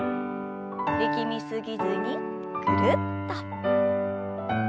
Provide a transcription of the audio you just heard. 力み過ぎずにぐるっと。